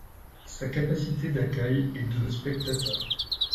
Sa capacité d'accueil est de spectateurs.